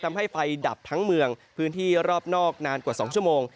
ทำให้ไฟดับทั้งเมืองพื้นที่รอบนอกนานกว่า๒ชั่วโมง